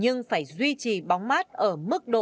nhưng phải duy trì bóng mát ở mức độ hợp lý theo quy định